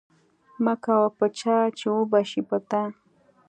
مکوه په چا چی وبه شی په تا